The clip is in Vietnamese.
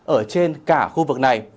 ở trên cả khu vực này